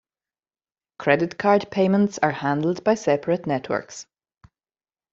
Credit card payments are handled by separate networks.